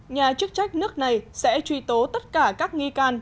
nhà chức trách nước này sẽ truy tố tất cả các nghi can